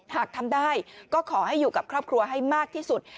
หากทำได้ก็ขอให้อยู่กับครอบครัวให้มากที่สุด